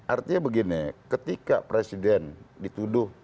artinya begini ketika presiden dituduh